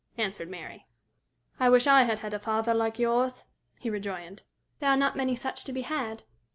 answered Mary. "I wish I had had a father like yours," he rejoined. "There are not many such to be had."